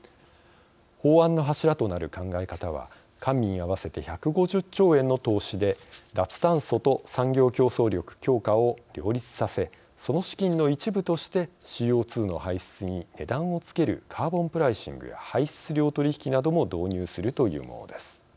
法案の柱となる考え方は官民合わせて１５０兆円の投資で脱炭素と産業競争力強化を両立させその資金の一部としてＣＯ２の排出に値段をつけるカーボンプライシングや排出量取引なども導入するというものです。